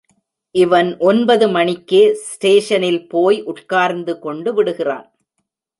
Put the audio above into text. இவன் ஒன்பது மணிக்கே ஸ்டேஷனில் போய் உட்கார்ந்து கொண்டு விடுகிறான்.